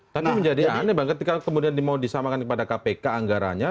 tapi menjadi aneh ketika kemudian mau disamakan kepada kpk anggarannya